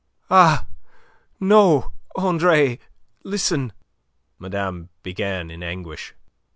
"Ah, no, Andre! Listen..." Madame began in anguish.